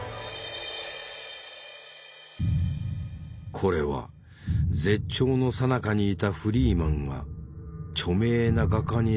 これは絶頂のさなかにいたフリーマンが著名な画家に描かせた肖像画。